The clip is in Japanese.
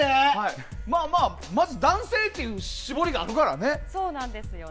まず男性という絞りがあるからね。